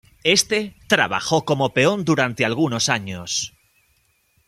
Éste trabajó como peón durante algunos años.